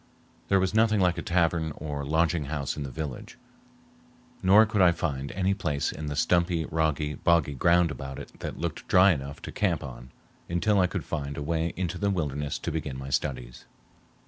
There was nothing like a tavern or lodging house in the village, nor could I find any place in the stumpy, rocky, boggy ground about it that looked dry enough to camp on until I could find a way into the wilderness to begin my studies.